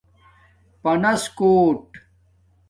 پانس کوٹ